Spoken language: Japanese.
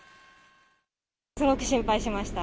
すごく心配しました。